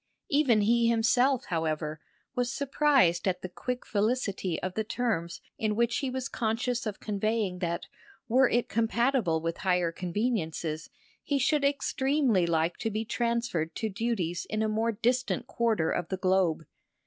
Even he himself, however, was surprised at the quick felicity of the terms in which he was conscious of conveying that, were it compatible with higher conveniences, he should extremely like to be transferred to duties in a more distant quarter of the globe.